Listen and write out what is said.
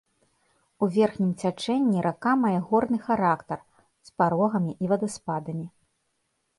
У верхнім цячэнні рака мае горны характар, з парогамі і вадаспадамі.